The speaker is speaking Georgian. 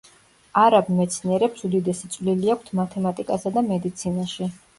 არაბ მეცნიერებს უდიდესი წვლილი აქვთ მათემატიკასა და მედიცინაში.